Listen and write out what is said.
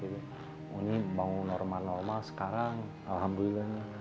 ini bangun normal normal sekarang alhamdulillah